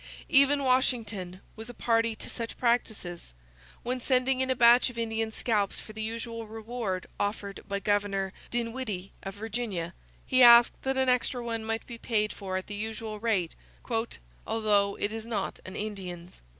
Even Washington was a party to such practices. When sending in a batch of Indian scalps for the usual reward offered by Governor Dinwiddie of Virginia he asked that an extra one might be paid for at the usual rate, 'although it is not an Indian's.'